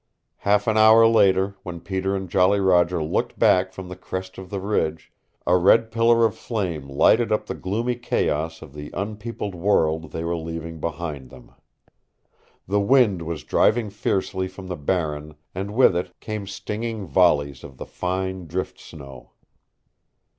Half an hour later, when Peter and Jolly Roger looked back from the crest of the ridge, a red pillar of flame lighted up the gloomy chaos of the unpeopled world they were leaving behind them. The wind was driving fiercely from the Barren and with it came stinging volleys of the fine drift snow.